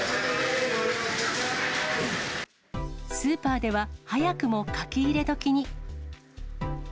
スーパーでは、早くも書き入れ時に。